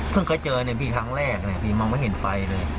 เพิ่งเคยเจอทั้งแรกพี่มองไม่เห็นไฟเลย